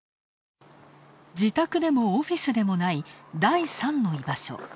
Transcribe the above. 自宅でもオフィスでもない、第３の居場所。